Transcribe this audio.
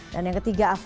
dan yang ketiga avanza